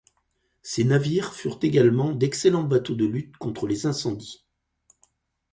Ces navires furent également d'excellents bateaux de lutte contre les incendies.